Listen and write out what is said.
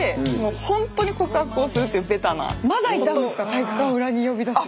体育館裏に呼び出す。